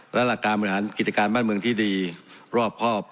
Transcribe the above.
และหลักการบริหารกิจการบ้านเมืองที่ดีรอบครอบ